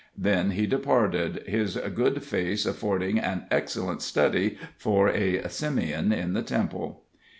Then he departed, his good face affording an excellent study for a "Simeon in the Temple."